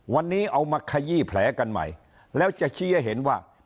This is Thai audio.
วันนี้เอามาขยี้แผลกันใหม่แล้วจะชี้ให้เห็นว่า